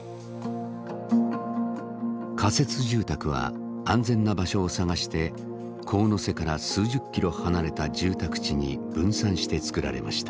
仮設住宅は安全な場所を探して神瀬から数十キロ離れた住宅地に分散して造られました。